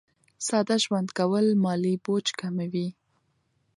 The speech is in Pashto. ساده ژوند کول مالي بوج کموي.